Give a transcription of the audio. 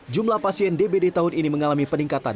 jumlah pasien dbd tahun ini mengalami peningkatan